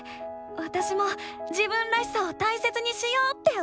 わたしも「自分らしさ」を大切にしようって思ったよ！